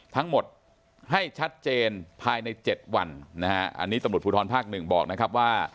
ทั้งหมดให้ชัดเจนภายใน๗วันนะฮะอันนี้ตำรวจภูทรภาคหนึ่งบอกนะครับว่า